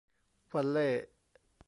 วัลเล่ย์